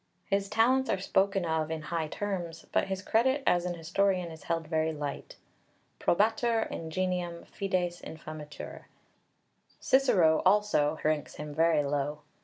His talents are spoken of in high terms, but his credit as an historian is held very light "probatur ingenium, fides infamatur," Quint. x. 1, 74. Cicero also (de Leg. i. 2) ranks him very low.